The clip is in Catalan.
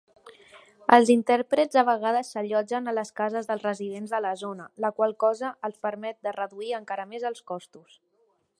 Els intèrprets a vegades s'allotgen a les cases dels residents de la zona, la qual cosa els permet de reduir encara més els costos.